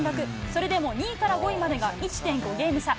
それでも２位から５位までが１．５ゲーム差。